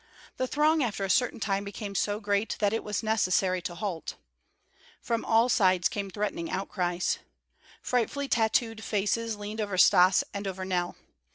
The throng after a certain time became so great that it was necessary to halt. From all sides came threatening outcries. Frightfully tattooed faces leaned over Stas and over Nell.